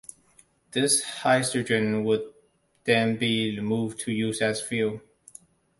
This hydrogen would then be removed to use as fuel.